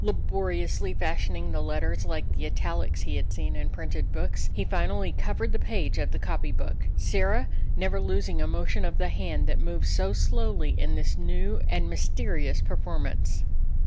Labo riously fashioning the letters like the italics he had seen in printed books, he finally covered the page of the copy book, Sirrah never losing a motion of the hand that moved so slowly in this new and mysterious performance.